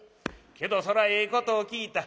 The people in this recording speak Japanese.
けどそらええことを聞いた。